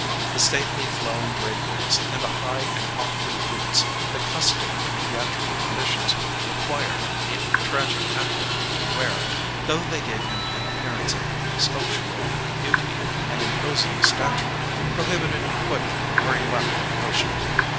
The stately, flowing draperies and the high and awkward boots that custom and theatrical conditions required the tragic actor to wear, though they gave him an appearance of sculp tural beauty and imposing stature, prohibited quick or elaborate motion.